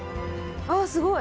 あっすごい！